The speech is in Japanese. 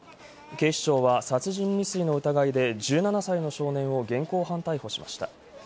警視庁は殺人未遂の疑いで、１７歳の少年を現行犯逮捕しました。